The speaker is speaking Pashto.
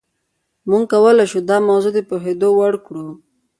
موږ کولای شو دا موضوع د پوهېدو وړ کړو.